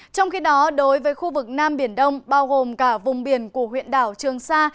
trong khi đó đối với khu vực nam biển đông bao gồm cả vùng biển của huyện đảo trường sa